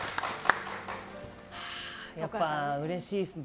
やっぱうれしいですね。